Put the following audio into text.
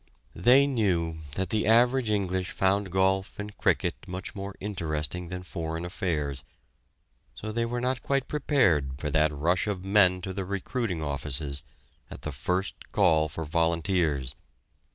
They knew that the average English found golf and cricket much more interesting than foreign affairs, so they were not quite prepared for that rush of men to the recruiting offices at the first call for volunteers!